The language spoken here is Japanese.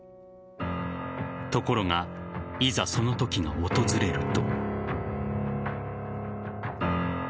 ところが、いざその時が訪れると。